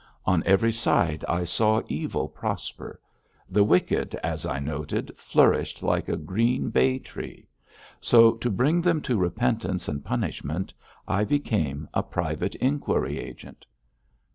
On every side I saw evil prosper. The wicked, as I noted, flourished like a green bay tree; so, to bring them to repentance and punishment, I became a private inquiry agent.'